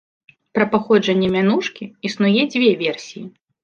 Пра паходжанне мянушкі існуе дзве версіі.